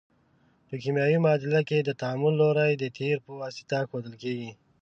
په کیمیاوي معادله کې د تعامل لوری د تیر په واسطه ښودل کیږي.